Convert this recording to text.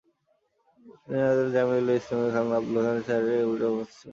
তিনি নয়া দিল্লির জামিয়া মিলিয়া ইসলামিয়ার খান আবদুল গাফফার খান চেয়ার এর এমেরিটাস অধ্যাপক ছিলেন।